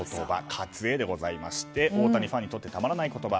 「かつエ」でございまして大谷ファンにとってたまらない言葉。